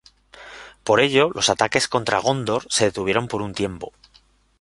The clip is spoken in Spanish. Por ello los ataques contra Gondor se detuvieron por un tiempo.